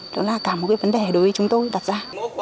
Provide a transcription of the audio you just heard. đó là cả một cái vấn đề đối với chúng tôi đặt ra